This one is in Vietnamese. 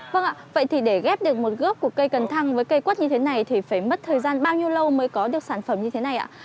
vâng ạ vậy thì để ghép được một gốc của cây cần thăng với cây quất như thế này thì phải mất thời gian bao nhiêu lâu mới có được sản phẩm như thế này ạ